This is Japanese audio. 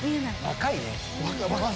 若いね。